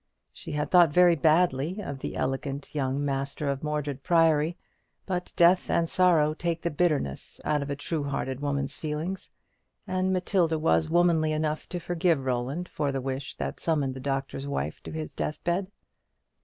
She had thought very badly of the elegant young master of Mordred Priory; but death and sorrow take the bitterness out of a true hearted woman's feelings, and Matilda was womanly enough to forgive Roland for the wish that summoned the Doctor's Wife to his deathbed.